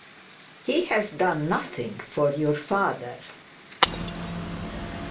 'He has done nothing for your father.'